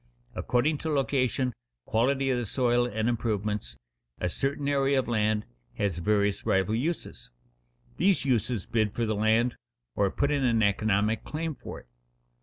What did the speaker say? According to location, quality of the soil, and improvements, a certain area of land has various rival uses. These uses bid for the land, or put in an economic claim for it.